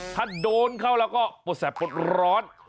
ถ้าโดนเข้าแล้วก็ปวดแสบปวดร้อน